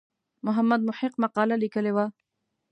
محمد محق مقاله لیکلې وه.